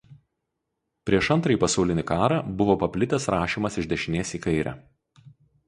Prieš Antrąjį pasaulinį karą buvo paplitęs rašymas iš dešinės į kairę.